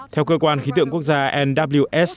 theo cơ quan khí tượng quốc gia nws